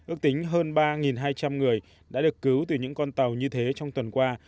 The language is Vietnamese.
ước tính hơn ba hai trăm linh người đã được cứu từ những con tàu như thế trong tuần qua